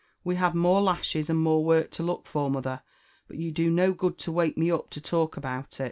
we hab more lashes and more work to look for, mother ; but you do no good to wake me ub to talk ob it."